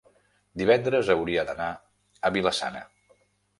divendres hauria d'anar a Vila-sana.